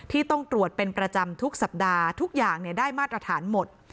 ต้องตรวจเป็นประจำทุกสัปดาห์ทุกอย่างได้มาตรฐานหมด